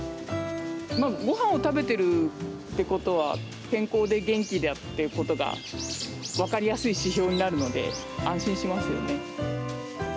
ごはんを食べているってことは健康で元気だってことが分かりやすい指標になるので安心しますよね。